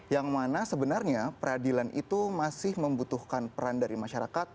yang mana sebenarnya peradilan itu masih membutuhkan peran dari masyarakat